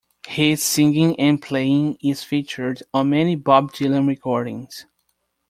His singing and playing is featured on many Bob Dylan recordings.